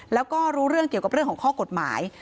แล้วก็รู้เรื่องเกี่ยวกับเรื่องของข้อกฎหมาย